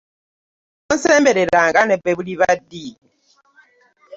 Tonsembereranga ne bwe buliba ddi.